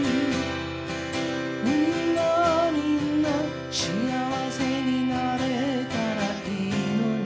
「みんなみんなしあわせになれたらいいのに」